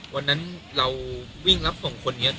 อยู่กันเหมือนปุ๊บกำรวจ